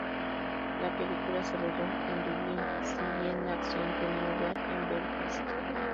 La película se rodó en Dublín, si bien la acción tiene lugar en Belfast.